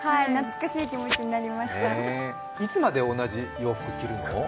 いつまで同じ洋服を着るの？